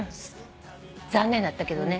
残念だったけどね。